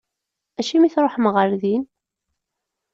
Acimi i tṛuḥem ɣer din?